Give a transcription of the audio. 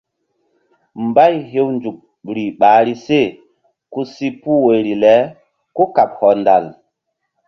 Mbay hew nzukri ɓahri se ku si puh woyri le kúkaɓ hɔndal.